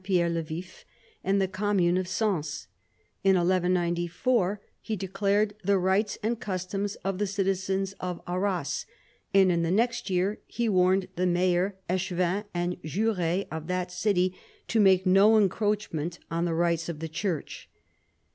Pierre le Vif and the commune of Sens. In 1194 he declared the rights and customs of the citizens of Arras, and in the next year he warned the mayor, ^chevins, and jures of that city to make no encroachment on the rights of the Church.